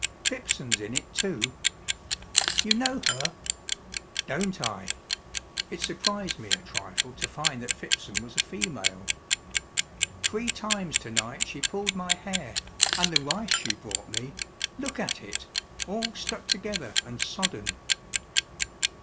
"Phipson's in it too?" "You know her?" "Don't I?" It surprised me a trifle to find that Phipson was a female. "Three times to night she pulled my hair, and the rice she brought me look at it! all stuck together and sodden."